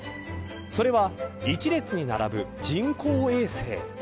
それは一列に並ぶ人工衛星。